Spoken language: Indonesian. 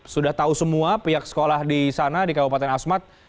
sudah tahu semua pihak sekolah di sana di kabupaten asmat